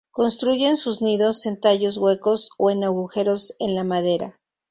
Construyen sus nidos en tallos huecos o en agujeros en la madera.